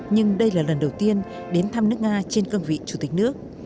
nhưng đây là lần đầu tiên đến thăm nước nga trên cương vị chủ tịch nước